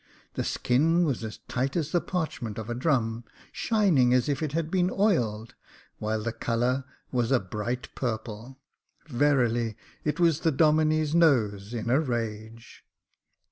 The skin was as tight as the parchment of a drum, and shining as if it had been oiled, while the colour was a bright purple. Verily, it was the Domine's nose in a rage.